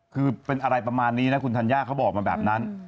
คือเป็นอะไรประมาณนี้นะคุณธัญญาเขาบอกมาแบบนั้น